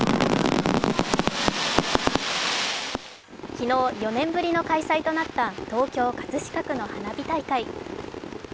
昨日、４年ぶりの開催となった東京・葛飾区の花火大会。